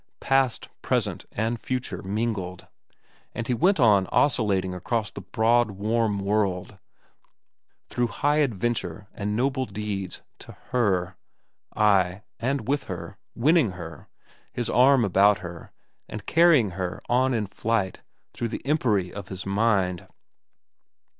Past, present, and future mingled; and he went on oscillating across the broad, warm world, through high adventure and noble deeds to Her—ay, and with her, winning her, his arm about her, and carrying her on in flight through the empery of his mind.